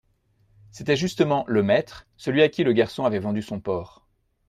C'était justement «le maître», celui à qui le garçon avait vendu son porc.